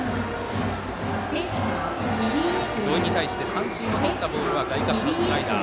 土居に対して三振をとったボールは外角のスライダー。